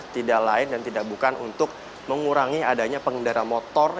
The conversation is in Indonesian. tidak lain dan tidak bukan untuk mengurangi adanya pengendara motor